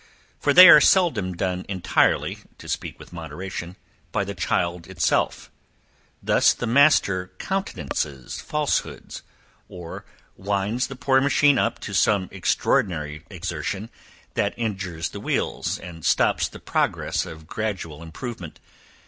For they are seldom done entirely, to speak with moderation, by the child itself; thus the master countenances falsehoods, or winds the poor machine up to some extraordinary exertion, that injures the wheels, and stops the progress of gradual improvement.